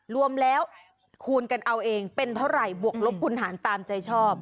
รวมแล้วคูณกันเอาเองเป็นเท่าไหร่บวกลบคุณหารตามใจชอบ